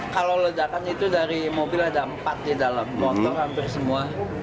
kalau ledakan itu dari mobil ada empat di dalam motor hampir semua